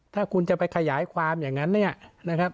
ถ้าคุณจะไปขยายความอย่างนั้น